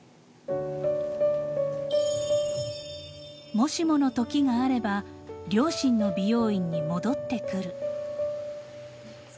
［もしものときがあれば両親の美容院に戻ってくる］